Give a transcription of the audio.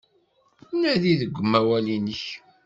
Nadi deg umawal-nnek.